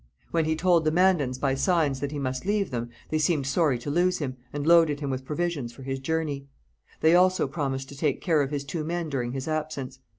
When he told the Mandans by signs that he must leave them, they seemed sorry to lose him, and loaded him with provisions for his journey. They also promised to take care of his two men during his absence.